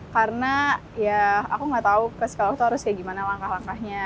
karena ya aku gak tau ke psikolog itu harus kayak gimana langkah langkahnya